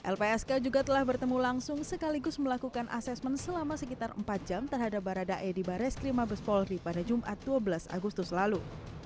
lpsk juga telah bertemu langsung sekaligus melakukan asesmen selama sekitar empat jam terhadap baradae di bares krim mabes polri pada jumat dua belas agustus lalu